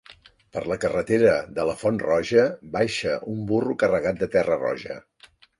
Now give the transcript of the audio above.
Per la carretera de la Font Roja, baixa un burro carregat de terra roja.